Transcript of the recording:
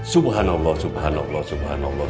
subhanallah subhanallah subhanallah